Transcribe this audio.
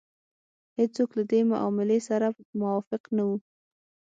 هېڅوک له دې معاملې سره موافق نه وو.